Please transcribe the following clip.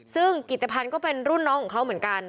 ซึ่งกิตภัณฑ์ก็เป็นรุ่นน้องของเขาเหมือนกัน